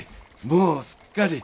もうすっかり。